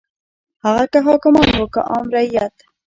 هغه که حاکمان وو که عام رعیت.